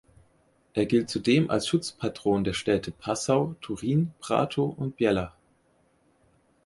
Er gilt zudem als Schutzpatron der Städte Passau, Turin, Prato und Biella.